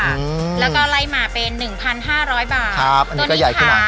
แล้วก็ไล่มาเป็นหนึ่งพันห้าร้อยบาทครับอันนี้ก็ใหญ่ขึ้นหน่อย